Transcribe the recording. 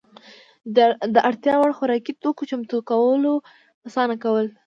د اړتیا وړ خوراکي توکو چمتو کول اسانه کول.